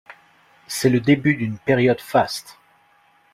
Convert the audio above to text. C’est le début d’une période faste.